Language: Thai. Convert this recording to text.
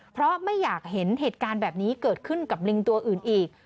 เพราะไม่อยากเห็นเหตุการณ์แบบนี้เกิดขึ้นกับลิงตัวอื่นอีก